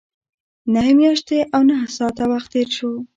نهه میاشتې او نهه ساعته وخت تېر شو.